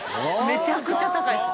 めちゃくちゃ高いです。